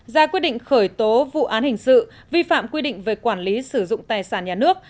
ra quyết định khởi tố vụ án hình sự vi phạm quy định về quản lý sử dụng tài sản nhà nước